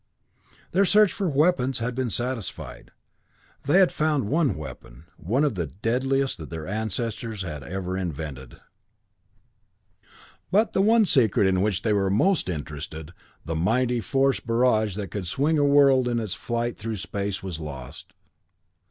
Their search for weapons had been satisfied; they had found one weapon, one of the deadliest that their ancestors had ever invented. But the one secret in which they were most interested, the mighty force barrage that could swing a world in its flight through space, was lost.